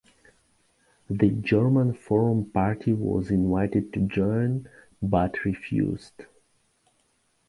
The German Forum Party was invited to join, but refused.